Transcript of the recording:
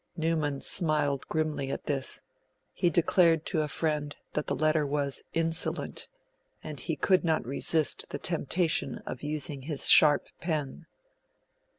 Newman smiled grimly at this; he declared to a friend that the letter was 'insolent'; and he could not resist the temptation of using his sharp pen.